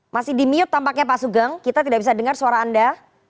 masih di mute tampaknya pak sugeng kita tidak bisa dengar suara anda